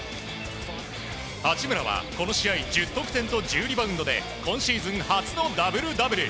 八村はこの試合１０得点と１０リバウンドで今シーズン初のダブルダブル。